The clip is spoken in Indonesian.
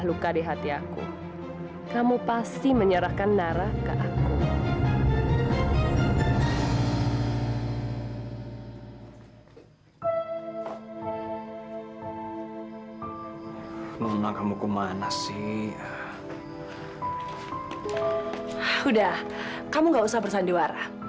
udah kamu gak usah bersandiwara